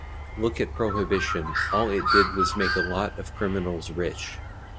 Look at Prohibition: all it did was make a lot of criminals rich.